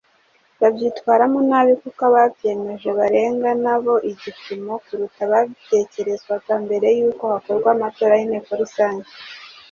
babyitwaramo nabi kuko ababyemeje barenga nabo igipimo kuruta ibyatekerezwaga mbere yuko hakorwa amatora y’inteko rusange.